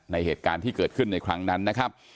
เหตุการณ์ที่เกิดขึ้นในครั้งนั้นนะครับ